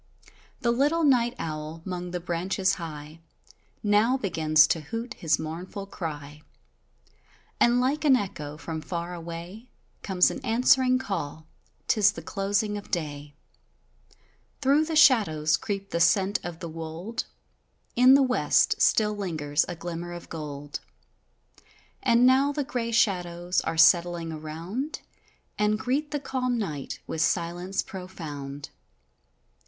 The little night owl 'mong the branches high, Now begins to hoot his mournful cry, And like an echo from far away Comes an answering call; 'tis the closing of day, Through the shadows creep the scent of the wold, In the west still lingers a glimmer of gold, And now the grey shadows are settling around, And greet the calm night with silence profund.